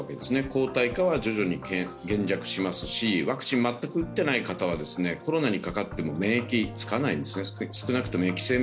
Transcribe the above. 抗体価は徐々に減弱しますし、ワクチンを全く打っていない方はコロナにかかっても免疫つかないんですね。